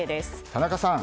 田中さん